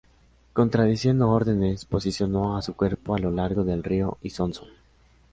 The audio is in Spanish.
Contradiciendo órdenes, posicionó a su Cuerpo a lo largo del río Isonzo.